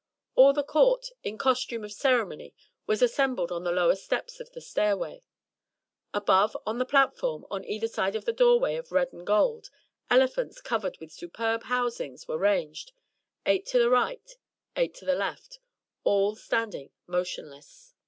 All the Court, in costume of ceremony was assembled on the lower steps of the stairway. Above, on the platform, on either side of a doorway of red and gold, elephants covered with superb housings were ranged — eight to the right, eight to the left, all standing motionless.